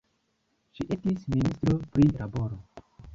Ŝi estis ministro pri laboro.